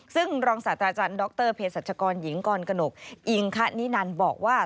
ซึ่งรองศาสตราจารย์ดรเพศรัชกรหญิงกรกนกอิงคณินันบอกว่า